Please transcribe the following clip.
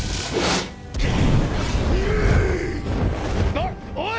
あっおい！